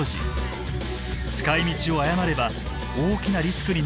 使いみちを誤れば大きなリスクになるおそれがあります。